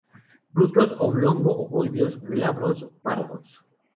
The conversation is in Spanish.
Frutos oblongo-ovoideos, glabros, pardos.